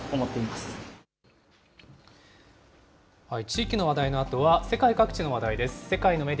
地域の話題のあとは、世界各地の話題です。